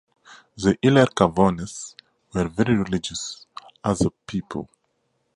The Ilercavones were very religious as a people.